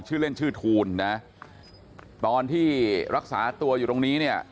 ชื่อเล่นชื่อทูลนะตอนที่รักษาตัวอยู่ตรงนี้เนี่ย